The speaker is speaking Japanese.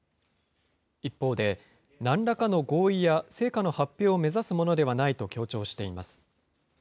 一方で、なんらかの合意や成果の発表を目指すものではないと強調しています。